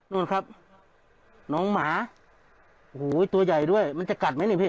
นู่นครับน้องหมาโอ้โหตัวใหญ่ด้วยมันจะกัดไหมเนี่ยพี่